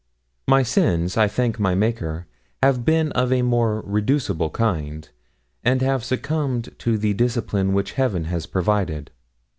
My sins, I thank my Maker, have been of a more reducible kind, and have succumbed to the discipline which Heaven has provided.